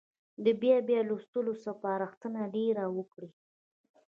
د بیا بیا لوستلو سپارښتنه دې وکړي.